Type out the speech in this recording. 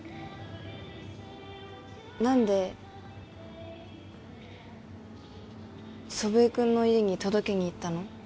何で祖父江君の家に届けに行ったの？